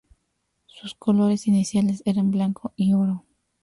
Sus colores iniciales eran blanco y oro.